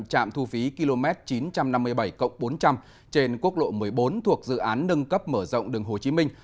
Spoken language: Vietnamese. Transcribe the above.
trạm thu phí km chín trăm năm mươi bảy bốn trăm linh trên quốc lộ một mươi bốn thuộc dự án nâng cấp mở rộng đường hồ chí minh